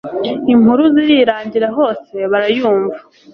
impuruza irirangira hose barayumva